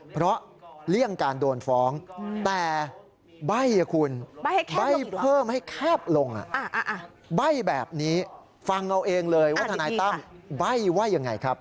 เพราะเลี่ยงการโดนฟ้องแต่ใบ้คุณใบ้เพิ่มให้แคบลงใบ้แบบนี้ฟังเอาเองเลยว่าทนายตั้มใบ้ว่ายังไงครับ